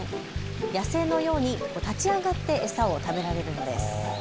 野生のように立ち上がって餌を食べられるんです。